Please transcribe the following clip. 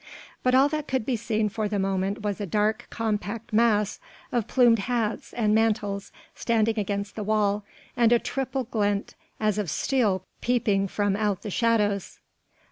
But all that could be seen for the moment was a dark compact mass of plumed hats and mantles standing against the wall, and a triple glint as of steel peeping from out the shadows.